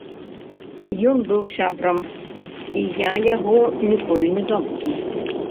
Ён быў сябрам, і я яго ніколі не забуду.